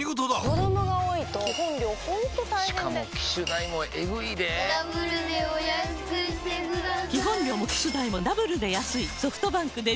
子供が多いと基本料ほんと大変でしかも機種代もエグいでぇダブルでお安くしてください